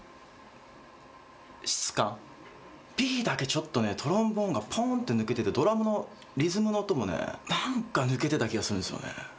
Ｂだけちょっとねトロンボーンがポーンって抜けててドラムのリズムの音もねなんか抜けてた気がするんですよね